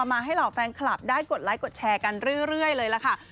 มาให้เหล่าแฟนคลับได้กดไลค์กดแชร์กันเรื่อยเลยล่ะค่ะ